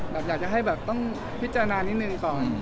อยากจะให้แบบต้องพิจารณานิดนึงก่อน